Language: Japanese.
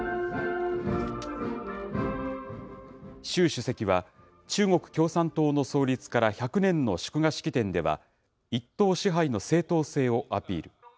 習主席は、中国共産党の創立から１００年の祝賀式典では、一党支配の正統性をアピール。